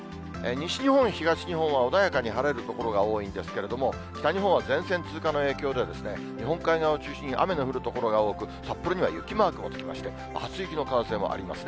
西日本、東日本は穏やかに晴れる所が多いんですけれども、北日本は前線通過の影響で、日本海側を中心に雨の降る所が多く、札幌には雪マークもつきまして、初雪の可能性がありますね。